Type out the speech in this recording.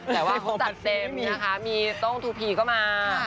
แต่ว่าเขาจัดเต็มนะคะมีต้องทูพีก็มา